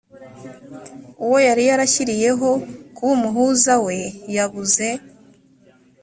uwo yari yarashyiriyeho kuba umuhuza we yabuze